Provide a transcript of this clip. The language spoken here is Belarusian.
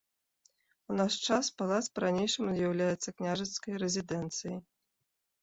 У наш час палац па ранейшаму з'яўляецца княжацкай рэзідэнцыяй.